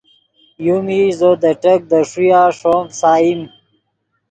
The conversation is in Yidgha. یو میش زو دے ٹیک دے ݰویا ݰوم فیسائیم